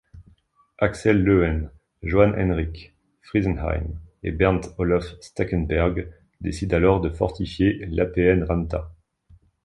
Axel Löwen, Johan Henrik Frisenheim et Berndt Olof Stackenberg décident alors de fortifier Lappeenranta.